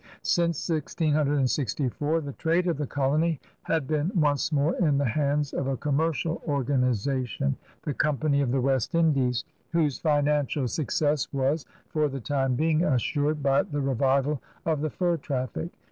Since 1664, the trade of the colony had been once more in the hands of a commercial organization, the Company of the West Indies, whose financial success was, for the time being, assured by the revival of the fur traffic.